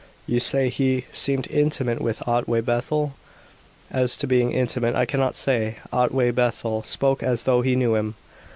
"You say he seemed intimate with Otway Bethel?" "As to being intimate, I cannot say. Otway Bethel spoke as though he knew him."